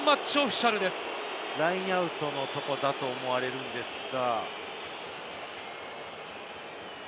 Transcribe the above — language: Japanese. ラインアウトのところだと思われるのですが。